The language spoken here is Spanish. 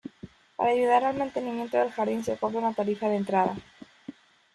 Para ayudar al mantenimiento del jardín, se cobra una tarifa de entrada.